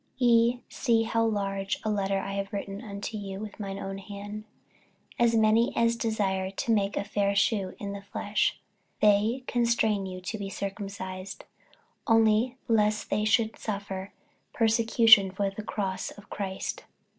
48:006:011 Ye see how large a letter I have written unto you with mine own hand. 48:006:012 As many as desire to make a fair shew in the flesh, they constrain you to be circumcised; only lest they should suffer persecution for the cross of Christ.